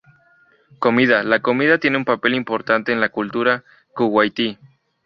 Comida: la comida tiene un papel importante en la cultura kuwaití.